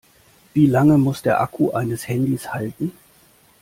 Wie lange muss der Akku eines Handys halten?